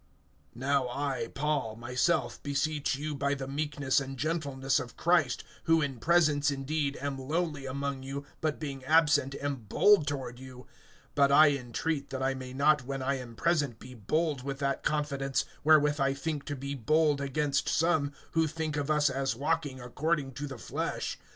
NOW I, Paul, myself beseech you by the meekness and gentleness of Christ, who in presence indeed am lowly among you, but being absent am bold toward you; (2)but I entreat, that I may not when I am present be bold with that confidence, wherewith I think to be bold against some, who think of us as walking according to the flesh.